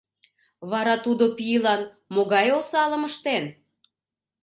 Вара тудо пийлан могай осалым ыштен!